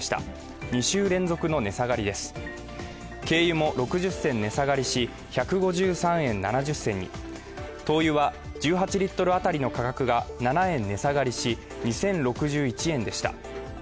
軽油も６０銭値下がりし１５３円７０銭に灯油は１８リットル当たりの価格が７円値下がりし２０６１円でした。